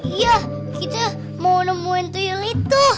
iya kita mau nemuin tuyul itu